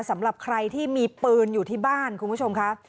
สำหรับใครที่มีปืนอยู่ที่บ้านคุณผู้ชมค่ะ